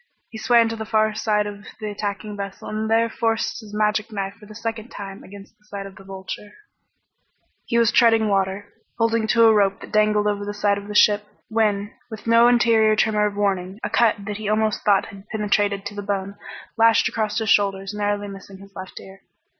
He swam to the far side of the attacking vessel and there forced his magic knife for the second time against the side of the Vulture. He was treading water, holding to a rope that dangled over the side of the ship when, with no interior tremor of warning, a cut that he almost thought had penetrated to the bone lashed across his shoulders narrowly missing his left ear.